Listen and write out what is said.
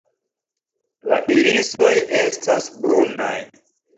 La irisoj estas brunaj.